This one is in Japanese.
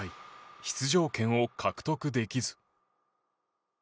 出場権を獲得できず。